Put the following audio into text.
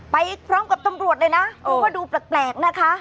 ไปพร้อมกับตำรวจเลยนะเพราะว่าดูแปลกนะคะ